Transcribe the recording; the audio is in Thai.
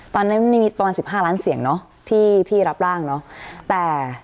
ตอนนั้นมีประมาณสิบห้าล้านเสียงเนอะที่ที่รับร่างเนอะแต่